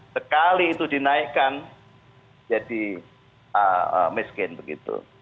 sekali itu dinaikkan jadi miskin begitu